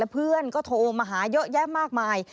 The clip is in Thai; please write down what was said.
เพื่อนก็โทรมาหาเยอะแยะมากมาย